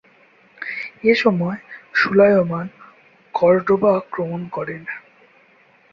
এসময় Sulaiman Cordoba আক্রমণ করেন।